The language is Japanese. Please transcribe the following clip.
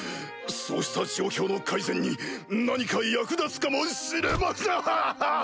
そうした状況の改善に何か役立つかもしれません。